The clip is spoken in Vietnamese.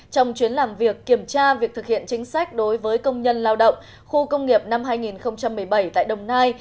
trong chuyến làm việc kiểm tra việc thực hiện chính sách đối với công nhân lao động khu công nghiệp năm hai nghìn một mươi bảy tại đồng nai